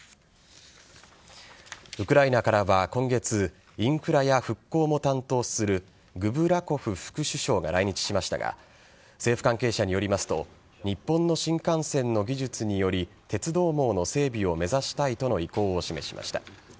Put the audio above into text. ウクライナからは今月インフラや復興も担当するクブラコフ副首相が来日しましたが政府関係者によりますと日本の新幹線の技術により鉄道網の整備を目指したいとの意向を示しました。